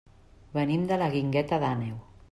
Venim de la Guingueta d'Àneu.